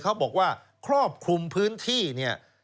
เขาบอกว่าครอบคลุมพื้นที่เนี่ย